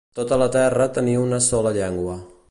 Tota la terra tenia una sola llengua.